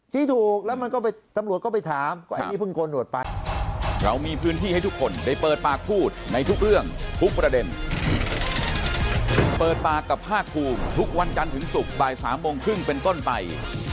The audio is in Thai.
ชี้ถูกแล้วมันก็ไปตำรวจก็ไปถามก็ไอ้นี่เพิ่งโกนหนวดไป